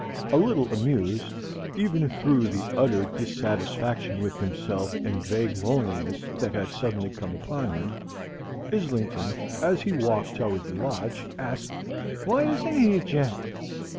A little amused even through the utter dissatisfaction with himself and vague loneliness that had suddenly come upon him, Islington, as he walked toward the lodge, asked, "Why isn't he a gent?